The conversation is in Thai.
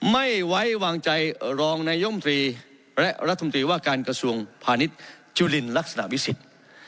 ไม่ไว้วางใจรองนายมตรีและรัฐมนตรีว่าการกระทรวงพาณิชย์จุลินลักษณะวิสิทธิ์